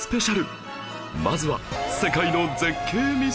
まずは